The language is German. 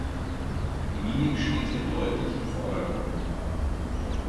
Die Mimik steht hier deutlich im Vordergrund.